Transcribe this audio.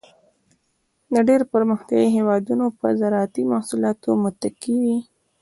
ډېری پرمختیایي هېوادونه په زراعتی محصولاتو متکی وي.